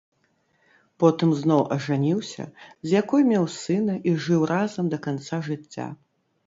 Потым зноў ажаніўся, з якой меў сына і жыў разам да канца жыцця.